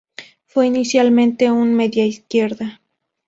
Fue inicialmente un media-izquierda.